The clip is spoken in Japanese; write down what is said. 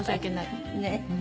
ねえ。